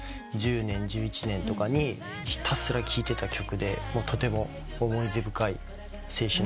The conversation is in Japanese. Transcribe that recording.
２０１０年１１年とかにひたすら聴いてた曲でとても思い出深い青春の曲です。